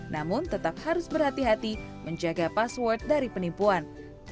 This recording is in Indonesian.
namun tetap harus berhati hati menjaga password dari penipuan